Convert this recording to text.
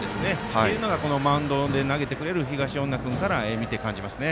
というのがマウンドで投げてくれる東恩納君から感じますね。